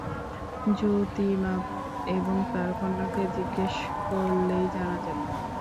জ্যোতিবাবু এবং তাঁর কন্যাকে জিজ্ঞেস করলেই জানা যাবে।